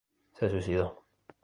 Se suicidó